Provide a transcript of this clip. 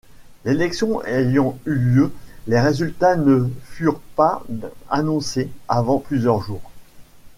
L'élection ayant eu lieu, les résultats ne furent pas annoncés avant plusieurs jours.